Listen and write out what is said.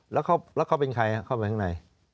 แล้วเขาเป็นใครเขาเป็นใคร